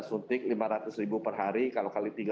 suntik lima ratus ribu per hari kalau kali